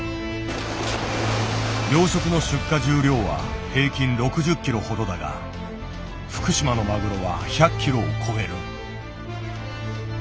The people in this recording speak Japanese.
養殖の出荷重量は平均６０ｋｇほどだが福島のマグロは１００ｋｇを超える。